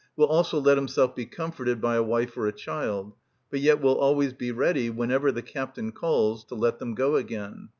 will also let himself be comforted by a wife or a child, but yet will always be ready, whenever the captain calls, to let them go again.